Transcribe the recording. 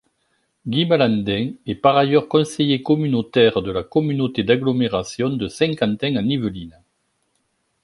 Guy Malandain est par ailleurs conseiller communautaire de la communauté d'agglomération de Saint-Quentin-en-Yvelines.